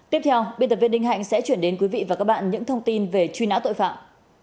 tiếp theo biên tập viên đinh hạnh sẽ chuyển đến quý vị và các bạn những thông tin về truy nã tội phạm